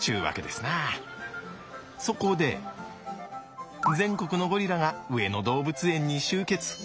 そこで全国のゴリラが上野動物園に集結。